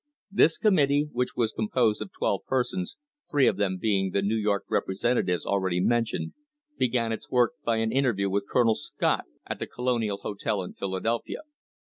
This committee, which was composed of twelve persons, three of them being the New York representatives already mentioned, began its work by an interview with Colonel Scott at the Colonial Hotel in Philadelphia.